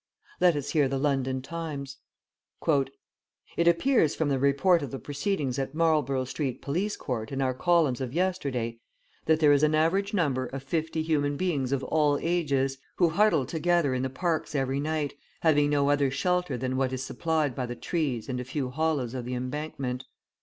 Let us hear the London Times: "It appears from the report of the proceedings at Marlborough Street Police Court in our columns of yesterday, that there is an average number of 50 human beings of all ages, who huddle together in the parks every night, having no other shelter than what is supplied by the trees and a few hollows of the embankment.